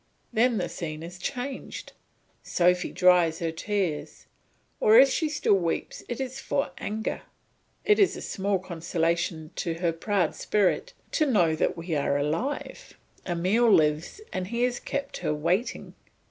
Then the scene is changed; Sophy dries her tears, or if she still weeps it is for anger. It is small consolation to her proud spirit to know that we are alive; Emile lives and he has kept her waiting.